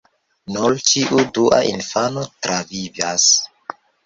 Nur ĉiu dua infano travivas.